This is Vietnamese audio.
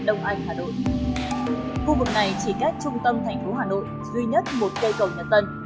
đông anh hà nội khu vực này chỉ cách trung tâm thành phố hà nội duy nhất một cây cầu nhà tân